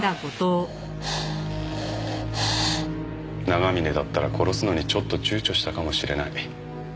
長峰だったら殺すのにちょっと躊躇したかもしれない。